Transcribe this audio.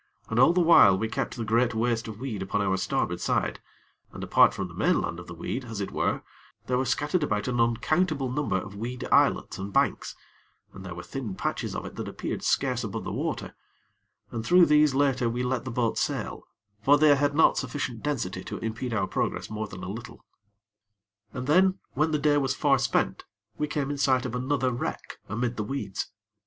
And all the while we kept the great waste of weed upon our starboard side, and apart from the mainland of the weed, as it were, there were scattered about an uncountable number of weed islets and banks, and there were thin patches of it that appeared scarce above the water, and through these later we let the boat sail; for they had not sufficient density to impede our progress more than a little. And then, when the day was far spent, we came in sight of another wreck amid the weeds.